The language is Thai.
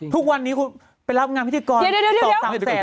ทุกวันนี้คุณไปรับงานพิธีกร๒๓แสน